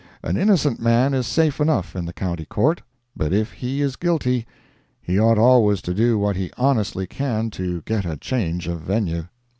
An innocent man is safe enough in the County Court, but if he is guilty, he ought always to do what he honestly can to get a change of venue.